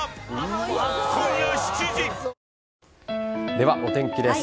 では、お天気です。